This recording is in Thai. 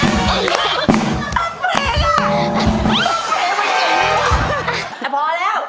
น่าจะการรักคนที่เดี๋ยวเอง